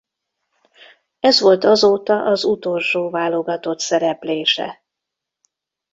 Ez volt azóta az utolsó válogatott szereplése.